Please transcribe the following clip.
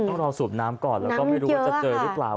ต้องรอสูบน้ำก่อนแล้วก็ไม่รู้ว่าจะเจอหรือเปล่า